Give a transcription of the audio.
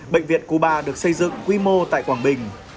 bệnh viện cuba được xây dựng quy mô tại quảng bình